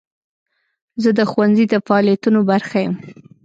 زه د ښوونځي د فعالیتونو برخه یم.